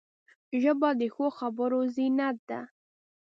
ژبه د ښو خبرو زینت ده